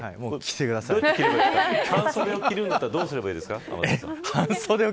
半袖を着るんだったらどうすればいいですか。